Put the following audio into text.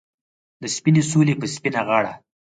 د سپینې سولې په سپینه غاړه